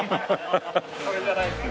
それじゃないですね。